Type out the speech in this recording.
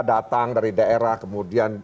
datang dari daerah kemudian